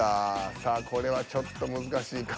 さあこれはちょっと難しいか。